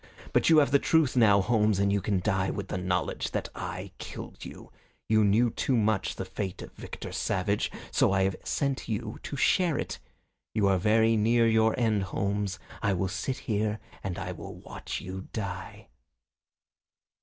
But you have the truth now, Holmes, and you can die with the knowledge that I killed you. You knew too much of the fate of Victor Savage, so I have sent you to share it. You are very near your end, Holmes. I will sit here and I will watch you die."